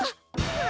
あ！